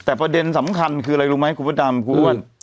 แต่ประเด็นสำคัญคืออะไรรู้ไหมคุณพระดำคุณอ้วน